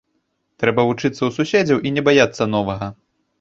Трэба вучыцца ў суседзяў і не баяцца новага.